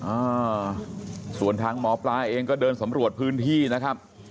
อ่าส่วนทางหมอปลาเองก็เดินสำรวจพื้นที่นะครับ